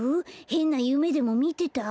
へんなゆめでもみてた？